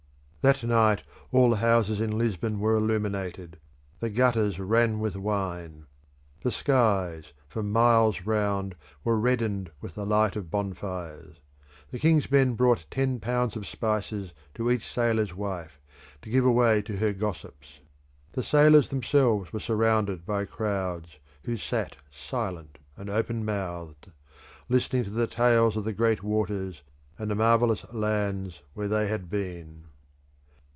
That night all the houses in Lisbon were illuminated; the gutters ran with wine; the skies, for miles round, were reddened with the light of bonfires. The king's men brought ten pounds of spices to each sailor's wife, to give away to her gossips. The sailors themselves were surrounded by crowds, who sat silent and open mouthed, listening to the tales of the great waters, and the marvellous lands where they had been.